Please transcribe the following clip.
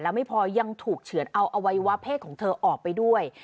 ไม่พอยังถูกเฉือนเอาอวัยวะเพศของเธอออกไปด้วย